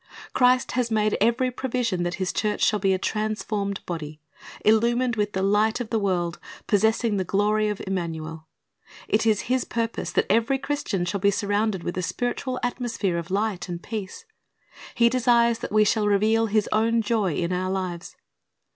Christ has made every provision that His church shall be a transformed body, illumined with the Light of the world, possessing the glory of Immanuel. It is His purpose that every Christian shall be surrounded with a .spiritual atmosphere of light and peace. He desires that we shall reveal His own joy in our lives.